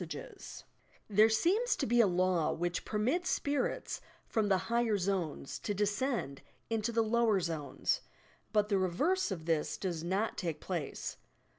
THE SPIRIT WORLD 53 There aeema to be a law which permits "spirits" from the higher zodcs to descend into the lower zones, but the reverse of this does not take place.